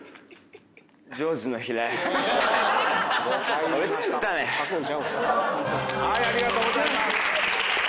ありがとうございます。